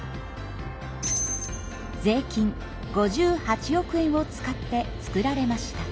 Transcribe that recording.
税金５８億円を使って作られました。